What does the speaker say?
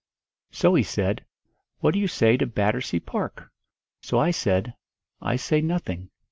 So he said, 'What do you say to Battersea Park?' So I said, 'I say nothing.